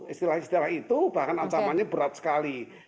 istilah istilah itu bahkan ancamannya berat sekali